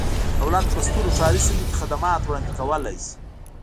دولت په سترو ښاري سیمو کې خدمات وړاندې کولای شي.